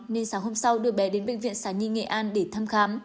nên sáng hôm sau đưa bé đến bệnh viện sản nhi nghệ an để thăm khám